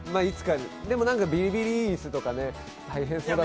でもビリビリ椅子とか大変そうでした。